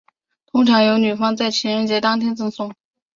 通常由女方在情人节当天赠送。